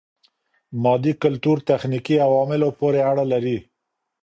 مادي کلتور تخنیکي عواملو پوري اړه لري.